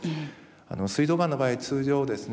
すい臓がんの場合通常ですね